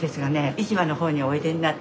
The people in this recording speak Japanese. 市場のほうにおいでになって。